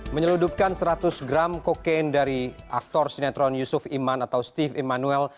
menyeludupkan seratus gram kokain dari aktor sinetron yusuf iman atau steve emmanuel